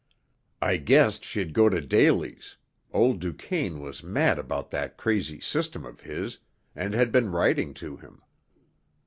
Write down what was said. I guessed she's go to Daly's old Duchaine was mad about that crazy system of his, and had been writing to him.